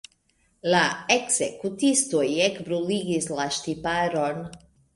La ekzekutisto ekbruligis la ŝtiparon.